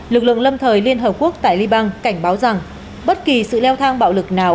lực lượng lâm thời liên hợp quốc tại libang cảnh báo rằng bất kỳ sự leo thang bạo lực nào